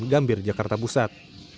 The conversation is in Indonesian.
gambir jakarta pusat